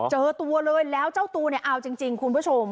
เจอตัวเลยแล้วเจ้าตัวเนี่ยเอาจริงคุณผู้ชม